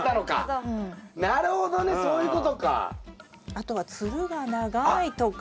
あとはつるが長いとか？